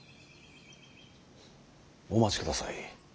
お待ちください。